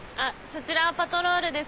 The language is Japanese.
そちらはパトロールですか？